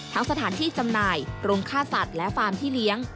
สถานที่จำหน่ายโรงฆ่าสัตว์และฟาร์มที่เลี้ยง